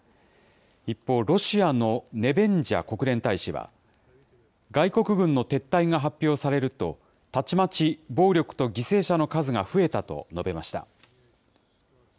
一方、ロシアのネベンジャ国連大使は、外国軍の撤退が発表されると、たちまち暴力と犠牲者の数が増えたと述べました。